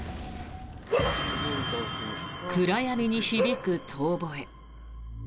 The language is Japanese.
暗闇に響く遠ぼえ。